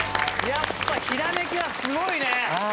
やっぱひらめきがすごいね！